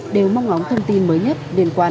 đều mong ngóng thông tin mới nhất liên quan